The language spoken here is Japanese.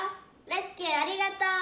レスキューありがとう！」。